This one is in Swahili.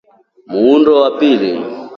Muundo wa pili